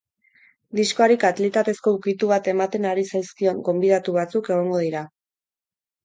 Diskoari kalitatezko ukitu bat ematen ari zaizkion gonbidatu batzuk egongo dira.